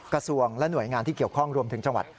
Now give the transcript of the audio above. กระทรวงและหน่วยงานที่เกี่ยวข้องรวมถึงจังหวัด